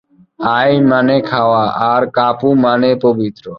I মানে "খাওয়া" আর "কাপু" মানে পবিত্র।